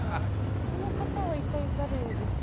この方は一体誰ですか？